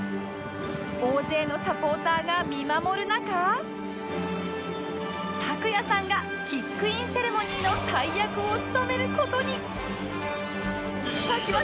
大勢のサポーターが見守る中卓也さんがキックインセレモニーの大役を務める事に！